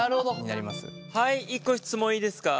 はい１個質問いいですか？